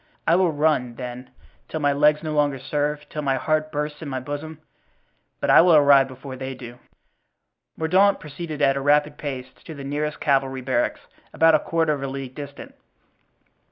I will run, then, till my legs no longer serve, till my heart bursts in my bosom but I will arrive before they do." Mordaunt proceeded at a rapid pace to the nearest cavalry barracks, about a quarter of a league distant.